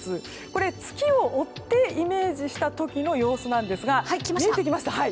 これ月を追ってイメージした時の様子なんですが見えてきました。